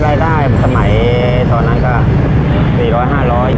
รายได้สมัยตอนนั้นก็๔๐๐๕๐๐บาท